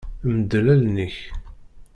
Mdel allen-ik.